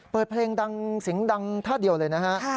เปิดเพลงดังเสียงดังท่าเดียวเลยนะฮะ